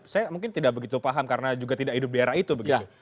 saya mungkin tidak begitu paham karena juga tidak hidup di era itu begitu